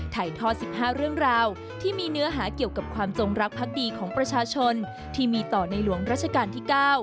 ถ่ายทอด๑๕เรื่องราวที่มีเนื้อหาเกี่ยวกับความจงรักพักดีของประชาชนที่มีต่อในหลวงราชการที่๙